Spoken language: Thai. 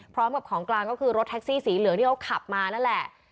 พร้อมกับของกลางก็คือรถแท็กซี่สีเหลืองที่เขาขับมานั่นแหละ